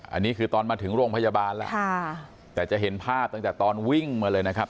อันนี้คือตอนมาถึงโรงพยาบาลแล้วค่ะแต่จะเห็นภาพตั้งแต่ตอนวิ่งมาเลยนะครับ